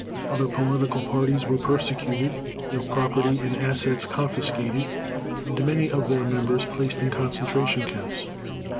Other political parties were persecuted, their property and assets confiscated, and many of their members placed in concentration camps.